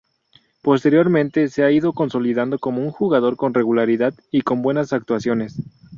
Posteriormente se ha ido consolidando como un jugador con regularidad y con buenas actuaciones.